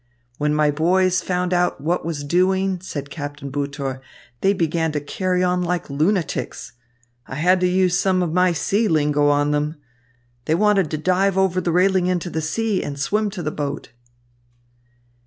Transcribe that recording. "When my boys found out what was doing," said Captain Butor, "they began to carry on like lunatics. I had to use some of my sea lingo on them. They wanted to dive over the railing into the sea, and swim to the boat."